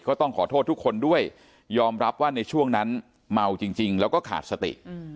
ก็ต้องขอโทษทุกคนด้วยยอมรับว่าในช่วงนั้นเมาจริงแล้วก็ขาดสติ